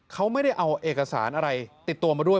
เขาไม่ได้เอาเอกสารอะไรติดตัวมาด้วย